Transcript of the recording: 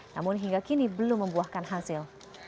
namun hingga kini belum membuahkan hasil